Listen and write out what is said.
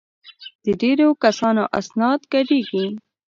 د ډېرو کسانو اسناد ګډېږي.